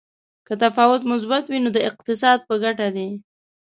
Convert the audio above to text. که تفاوت مثبت وي نو د اقتصاد په ګټه دی.